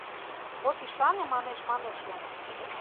Вот ӱшане манеш-манешлан.